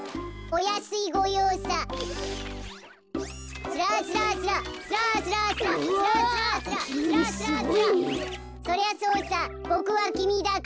おやすいごようさ。